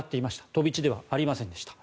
飛び地ではありませんでした。